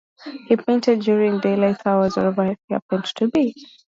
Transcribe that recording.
He painted during daylight hours wherever he happened to be.